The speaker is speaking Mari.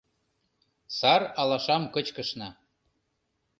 Сар алашам кычкышна